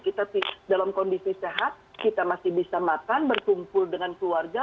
kita dalam kondisi sehat kita masih bisa makan berkumpul dengan keluarga